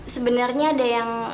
sebenernya ada yang